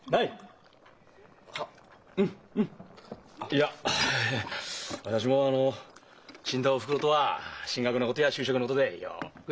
いや私もあの死んだおふくろとは進学のことや就職のことでよぐ